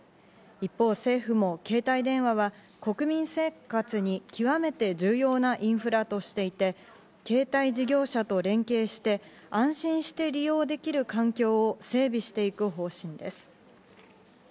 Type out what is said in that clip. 一方、政府も携帯電話は国民生活に極めて重要なインフラとしていて、携帯事業者と連携して、安心して利用できる環境を整備していく方針です。